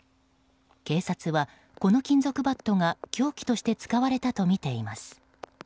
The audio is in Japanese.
警察はこの金属バットが凶器として使われたとみています。